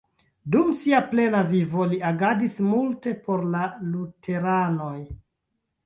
Dum sia plena vivo li agadis multe por la luteranoj.